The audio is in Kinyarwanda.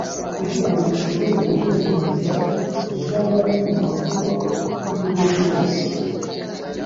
kugira ngo dushobore guhumuriza j abari mu makuba y uburyo bwose